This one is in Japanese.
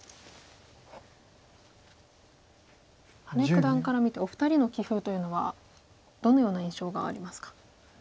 羽根九段から見てお二人の棋風というのはどのような印象がありますか。